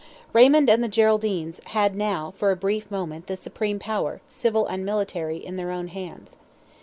Raymond and the Geraldines had now, for a brief moment, the supreme power, civil and military, in their own hands.